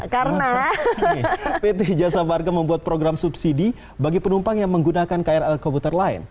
karena pt jasa warga membuat program subsidi bagi penumpang yang menggunakan krl komputer lain